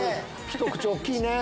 ひと口大きいね。